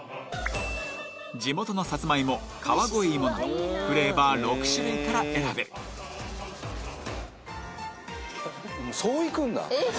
地元のさつまいも川越芋などフレーバー６種類から選べそういくんだえっ